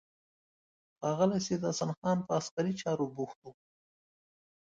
ښاغلی سید حسن خان په عسکري چارو بوخت و.